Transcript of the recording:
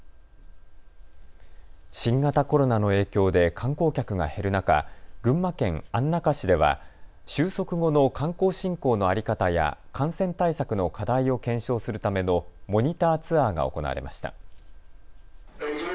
新型コロナの影響で観光客が減る中、群馬県安中市では収束後の観光振興の在り方や感染対策の課題を検証するためのモニターツアーが行われました。